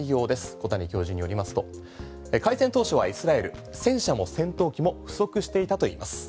小谷教授によりますと開戦当初はイスラエル、戦車も戦闘機も不足していたといいます。